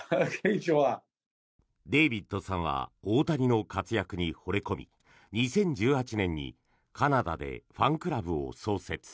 デービッドさんは大谷の活躍にほれ込み２０１８年にカナダでファンクラブを創設。